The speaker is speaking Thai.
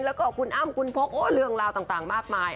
แล้วก็คุณอ้ำคุณพกเรื่องราวต่างมากมาย